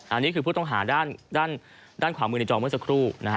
อันนี้คือผู้ต้องหาด้านขวามือในจอเมื่อสักครู่นะฮะ